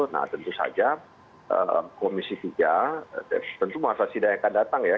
nah tentu saja komisi tiga tentu mas asyidah akan datang ya